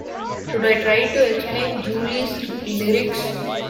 Should I try to explain Julie's lyrics?